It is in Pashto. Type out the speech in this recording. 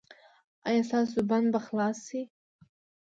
ایا ستاسو بند به خلاص شي؟